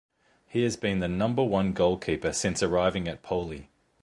He has been the number one goalkeeper since arriving at Poli.